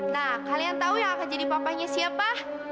nah kalian tahu yang akan jadi papanya siapa